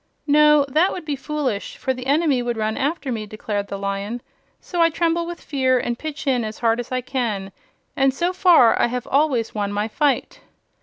"No; that would be foolish, for the enemy would run after me," declared the Lion. "So I tremble with fear and pitch in as hard as I can; and so far I have always won my fight."